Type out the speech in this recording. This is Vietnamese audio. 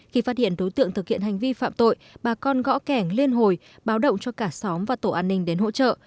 khi phát hiện đối tượng thực hiện hành vi phạm tội bà con gõ kẻng liên hồi báo động cho cả xóm và tổ an ninh đến hỗ trợ